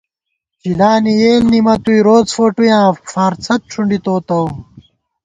چِلانی یېل نِمَتُوئی روڅ فوٹُیاں فارڅھدݭُنڈی تو تَوُم